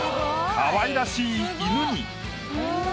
かわいらしい犬に。